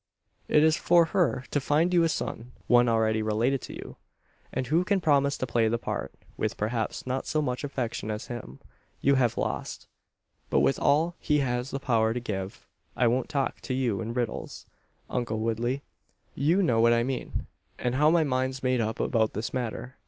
"It is for her to find you a son one already related to you; and who can promise to play the part with perhaps not so much affection as him you have lost, but with all he has the power to give. I won't talk to you in riddles, Uncle Woodley. You know what I mean; and how my mind's made up about this matter.